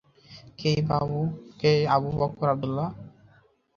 কে এই আবু বকর আবদুল্লাহ?